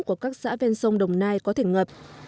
của các xã ven sông đồng nai có thể ngập